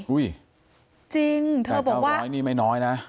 อุ้ย๘๙๐๐บาทนี่ไม่น้อยนะ